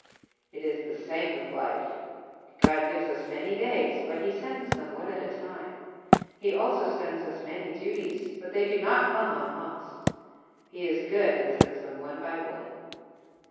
It is the same with life. God gives us many days, but he sends them one at a time. He also sends us many duties, but they do not come en masse. He is good and sends them one by one.